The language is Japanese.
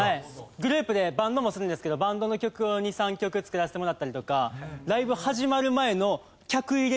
グループでバンドもするんですけどバンドの曲を２３曲作らせてもらったりとかライブ始まる前の客入れ